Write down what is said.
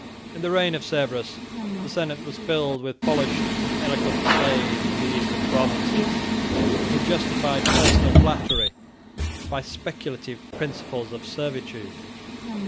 In the reign of Severus, the senate was filled with polished and eloquent slaves from the eastern provinces, who justified personal flattery by speculative principles of servitude.